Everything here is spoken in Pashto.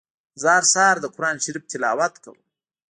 زه هر سهار د قرآن شريف تلاوت کوم.